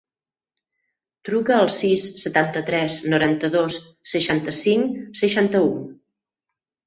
Truca al sis, setanta-tres, noranta-dos, seixanta-cinc, seixanta-u.